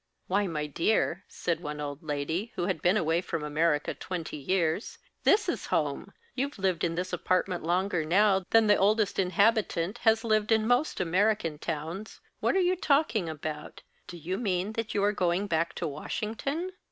"Why, my dear," said one old lady, who had been away from America twenty years, "this is home! You've lived in this apartment longer now than the oldest inhabitant has lived in most American towns. What are you talking about? Do you mean that you are going back to Washington?"